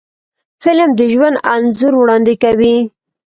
فلم د ژوند انځور وړاندې کوي